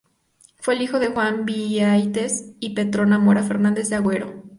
Fue el hijo de Juan Vieytes y Petrona Mora Fernández de Agüero.